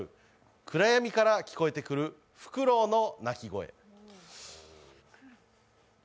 暗闇から聞こえてくるフクロウの鳴き声。